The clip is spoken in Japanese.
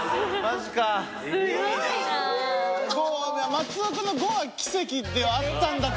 松尾くんの５は奇跡ではあったんだけど。